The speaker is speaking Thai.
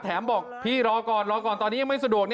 บอกพี่รอก่อนรอก่อนตอนนี้ยังไม่สะดวก